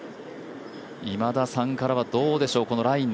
今田さんからはどうでしょう、このライン。